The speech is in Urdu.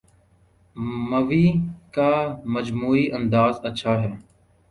مووی کا مجموعی انداز اچھا ہے